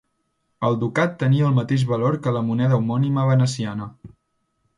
El ducat tenia el mateix valor que la moneda homònima veneciana.